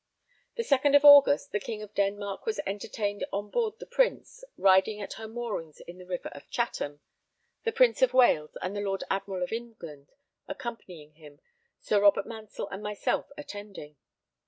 The second of August, the King of Denmark was entertained on board the Prince, riding at her moorings in the river of Chatham, the Prince of Wales and the Lord Admiral of England accompanying him, Sir Robert Mansell and myself attending.